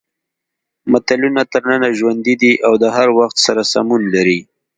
متلونه تر ننه ژوندي دي او د هر وخت سره سمون لري